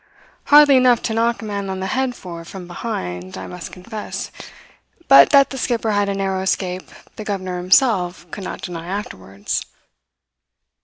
Hardly enough to knock a man on the head for from behind, I must confess; but that the skipper had a narrow escape the governor himself could not deny afterwards.